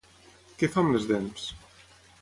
Què fa amb les dents?